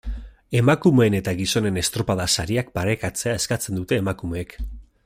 Emakumeen eta gizonen estropada-sariak parekatzea eskatzen dute emakumeek.